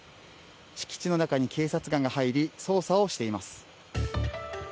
敷地の中に警察官が入り捜査をしています。